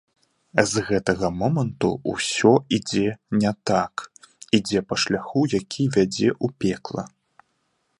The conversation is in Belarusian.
З гэтага моманту ўсё ідзе не так, ідзе па шляху, які вядзе ў пекла.